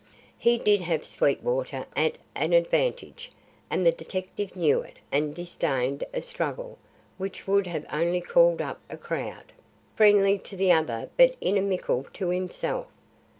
He did have Sweetwater at an advantage, and the detective knew it and disdained a struggle which would have only called up a crowd, friendly to the other but inimical to himself.